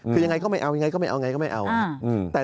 คือยังไงก็ไม่เอายังไงก็ไม่เอา